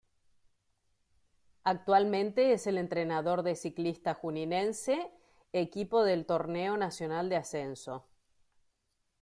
Actualmente es el entrenador de Ciclista Juninense, equipo del Torneo Nacional de Ascenso.